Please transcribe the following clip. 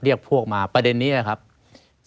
หรือว่าแม่ของสมเกียรติศรีจันทร์